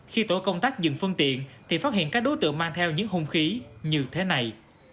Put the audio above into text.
khi tổ công tác dừng phương tiện thì phát hiện các đối tượng mang theo những hung khí như thế này